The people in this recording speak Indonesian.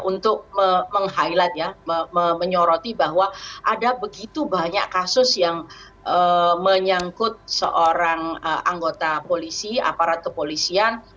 untuk meng highlight ya menyoroti bahwa ada begitu banyak kasus yang menyangkut seorang anggota polisi aparat kepolisian